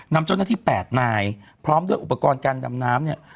นำเจ้าหน้าที่๘นายพร้อมด้วยอุปกรณ์การดำน้ำเนี่ย